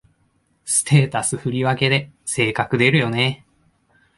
ステータス振り分けで性格出るよね